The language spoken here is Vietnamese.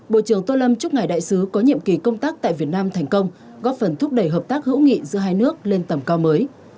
bộ trưởng tô lâm chúc ngài đại sứ có nhiệm kỳ công tác tại việt nam thành công góp phần thúc đẩy hợp tác hữu nghị giữa hai nước lên tầm cao mới